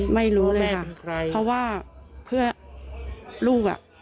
ไม่รู้เลยค่ะไม่รู้เลยค่ะเพราะว่าเพื่อนลูก